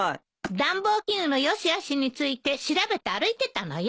暖房器具の良しあしについて調べて歩いてたのよ。